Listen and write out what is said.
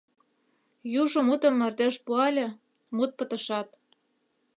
Южо мутым мардеж пуале — мут пытышат.